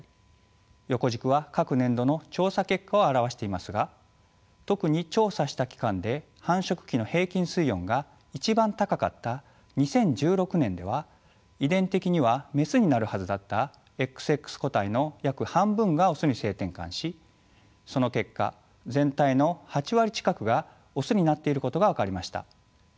横軸は各年度の調査結果を表していますが特に調査した期間で繁殖期の平均水温が一番高かった２０１６年では遺伝的にはメスになるはずだったＸＸ個体の約半分がオスに性転換しその結果全体の８割近くがオスになっていることが分かりました。